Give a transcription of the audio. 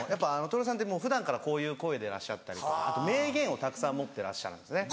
徹さんって普段からこういう声でいらっしゃったりとかあと名言をたくさん持ってらっしゃるんですね。